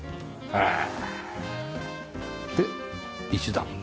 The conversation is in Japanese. へえ！